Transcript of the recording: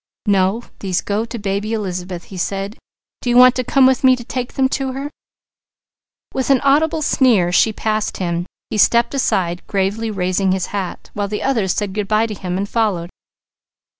"No. These go to baby Elizabeth," he said. "Do you want to come with me to take them to her?" With an audible sneer she passed him. He stepped aside, gravely raising his hat, while the others said good bye to him and followed.